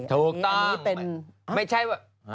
ถูกต้องไม่ใช่ว่า